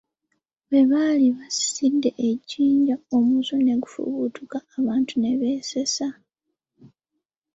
Bwe baali basiisidde e Jjinja, omusu ne gufubutuka abantu ne beesasa.